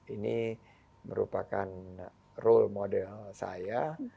ini merupakan role model saya